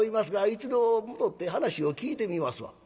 一度戻って話を聞いてみますわ』。